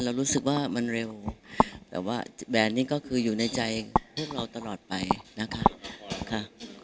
รู้สึกว่ามันเร็วแต่ว่าแบรนด์นี้ก็คืออยู่ในใจพวกเราตลอดไปนะคะค่ะ